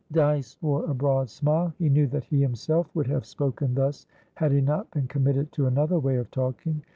Dyce wore a broad smile. He knew that he himself would have spoken thus had he not been committed to another way of talking.